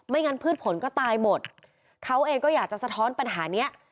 งั้นพืชผลก็ตายหมดเขาเองก็อยากจะสะท้อนปัญหาเนี้ย